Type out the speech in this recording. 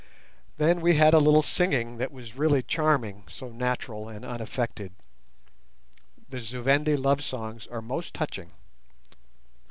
Then we had a little singing that was really charming, so natural and unaffected. The Zu Vendi love songs are most touching.